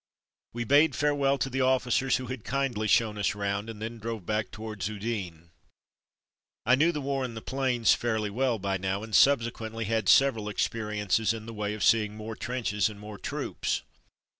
We bade farewell to the officers who had kindly shown us round, and then drove back towards Udine. I knew the war in the plains fairly well 230 From Mud to Mufti by now, and subsequently had several ex periences in the way of seeing more trenches and more troops.